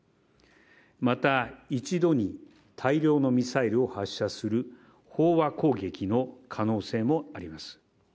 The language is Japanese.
また一度に大量のミサイルを発射する飽和攻撃の可能性もあります。